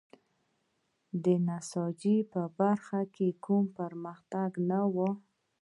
د نساجۍ په برخه کې کوم پرمختګ نه و.